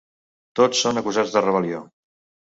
Tots són acusats de rebel·lió.